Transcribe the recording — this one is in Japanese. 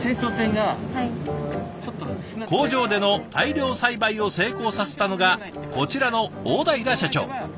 工場での大量栽培を成功させたのがこちらの大平社長。